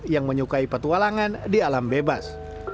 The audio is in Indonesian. yang menyukai petualangan di alam bebas